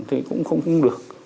thì cũng không được